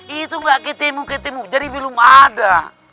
itu nggak ketemu ketemu jadi belum ada